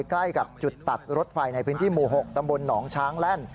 ใกล้กับจุดตัดรถไฟในพื้นที่หมู่๖ตำบลหนองช้างแล่น